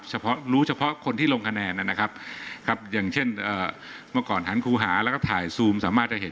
เฉพาะรู้เฉพาะคนที่ลงคะแนนนะครับครับอย่างเช่นเมื่อก่อนหันครูหาแล้วก็ถ่ายซูมสามารถจะเห็น